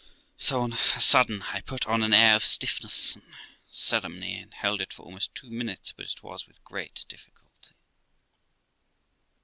So on a sudden I put on an air of stiffness and ceremony, and held it for about two minutes; but it was with great difficulty.